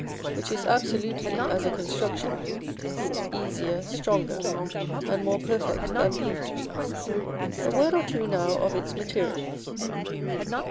which is absolutely, as a construction, easier, stronger, and more perfect than b. A word or two now of its materials.